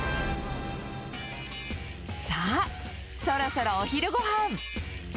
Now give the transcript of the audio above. さあ、そろそろお昼ごはん。